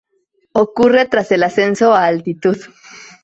Ocurre tras el ascenso a altitud.